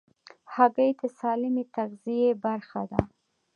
هګۍ د سالمې تغذیې برخه ده.